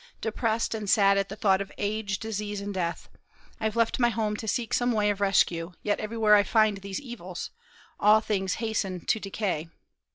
Depressed and sad at the thought of age, disease, and death, I have left my home to seek some way of rescue; yet everywhere I find these evils, all things hasten to decay.